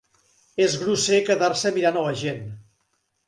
És grosser quedar-se mirant a la gent.